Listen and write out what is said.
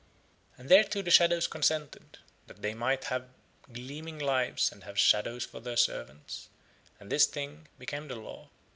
And thereto the shadows consented, that they might have gleaming Lives and have shadows for their servants, and this thing became the Law.